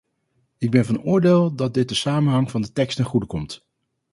Ik ben van oordeel dat dit de samenhang van de tekst ten goede komt.